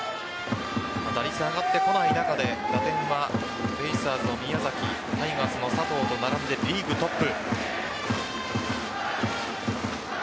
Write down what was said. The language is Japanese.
打率が上がってこない中で打点はベイスターズの宮崎タイガースの佐藤と並んでリーグトップ。